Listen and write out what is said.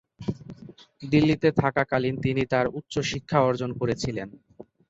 দিল্লিতে থাকাকালীন তিনি তার উচ্চশিক্ষা অর্জন করেছিলেন।